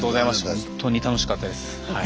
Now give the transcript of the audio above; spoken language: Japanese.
本当に楽しかったですはい。